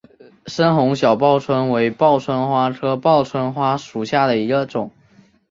深红小报春为报春花科报春花属下的一个种。